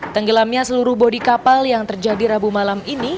tenggelamnya seluruh bodi kapal yang terjadi rabu malam ini